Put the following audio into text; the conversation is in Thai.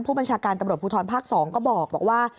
ผู้บัญชาการตำรวจภูทรภาค๒ก็บอกว่า